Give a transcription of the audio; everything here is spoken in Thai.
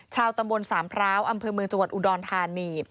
ชาวตำบลสามพร้าวอำเภอเมืองจังหวัดอุดรธานี